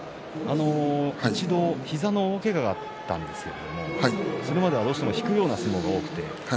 一度、膝の大けががあったんですけれどそこまではどうしても引くような相撲が多かった。